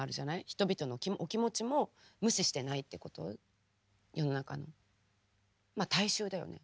人々のお気持ちも無視してないっていうこと世の中のまっ大衆だよね。